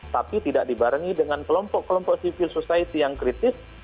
tapi tidak dibarengi dengan kelompok kelompok civil society yang kritis